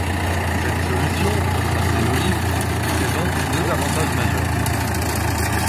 Cette solution, simple et logique, présente deux avantages majeurs.